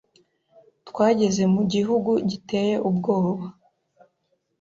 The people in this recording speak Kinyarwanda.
Twageze mu gihugu giteye ubwoba